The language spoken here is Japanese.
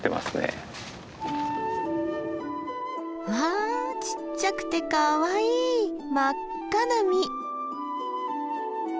わあちっちゃくてかわいい真っ赤な実。